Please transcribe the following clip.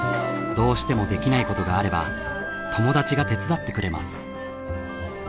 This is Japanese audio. どうしてもできないことがあれば友達が手伝ってくれます。